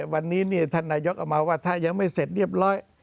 วันนี้ท่านนายกเอามาว่าถ้ายังไม่เสร็จเรียบร้อย